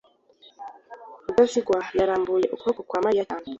rudasingwa yarambuye ukuboko kwa mariya cyane